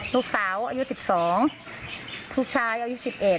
ลูกสาวอายุ๑๒ลูกชายอายุ๑๑